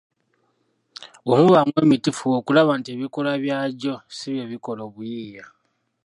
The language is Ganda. Bwe mubaamu emiti fuba nnyo okulaba nti ebikoola byagyo si bye bikola obuyiiya